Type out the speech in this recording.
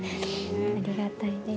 ありがたいです。